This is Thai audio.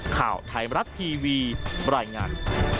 ข่าวไทยมรัฐทีวีบรรยายงาน